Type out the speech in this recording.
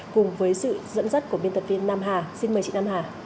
cùng với sự dẫn dắt của biên tập viên nam hà xin mời chị nam hà